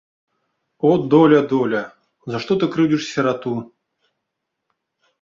О, доля, доля, за што ты крыўдзіш сірату.